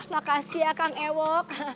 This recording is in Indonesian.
makasih ya kang ewok